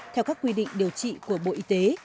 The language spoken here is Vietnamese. theo các quy định điều trị của bộ y tế